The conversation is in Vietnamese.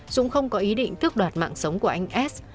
dũng không có ý định tước đoạt mạng sống của anh s